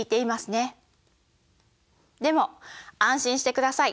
でも安心してください。